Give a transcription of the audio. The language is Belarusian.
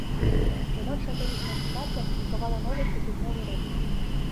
Жаночая тэнісная асацыяцыя апублікавала новы штотыднёвы рэйтынг.